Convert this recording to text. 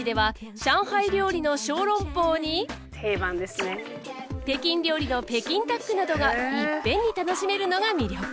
北京料理の北京ダックなどがいっぺんに楽しめるのが魅力。